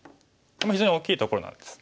非常に大きいところなんです。